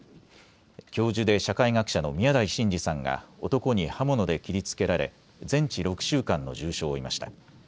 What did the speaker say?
教授で社会学者の宮台真司さんが男に刃物で切りつけられ全治６週間の重傷を負いました。